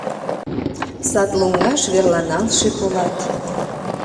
Сад лоҥгаш верланалше полат.